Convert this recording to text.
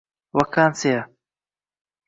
Vakansiya